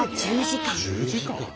１０時間？